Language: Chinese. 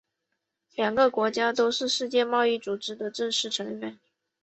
两个国家都是世界贸易组织的正式成员。